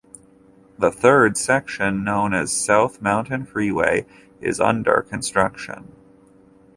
The third section, known as the South Mountain Freeway, is under construction.